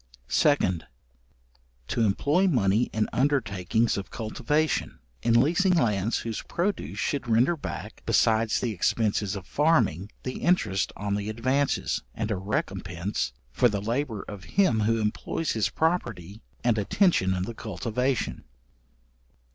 2d. To employ money in undertakings of cultivation; in leasing lands whose produce should render back, besides the expences of farming, the interest on the advances, and a recompense for the labour of him who employs his property and attention in the cultivation.